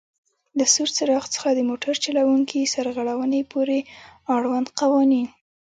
له سور څراغ څخه د موټر چلوونکي سرغړونې پورې آړوند قوانین: